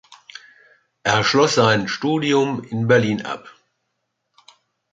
Er schloss sein Studium in Berlin ab.